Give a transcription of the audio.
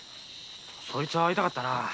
そいつは会いたかったな。